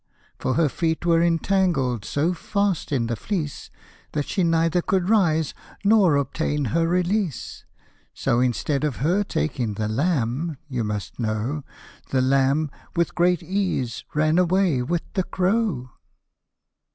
For her feet were entangled so fast in the fleece, That she neither could rise nor obtain her release ; So instead of her taking the lamb, you must know, The lamb with great ease ran away with. the crow. The Eagle & the Crow.